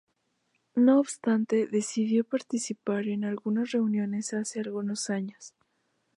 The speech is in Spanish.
No obstante, decidió participar en algunas reuniones hace algunos años.